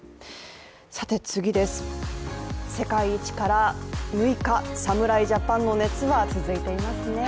世界一から６日、侍ジャパンの熱は続いていますね。